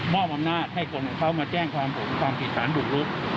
อำนาจให้คนของเขามาแจ้งความผมความผิดฐานบุกลุก